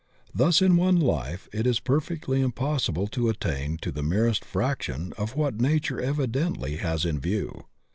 Thus in one life it is perfectly impossible to attain to the merest fraction of what Nature evidently has in view.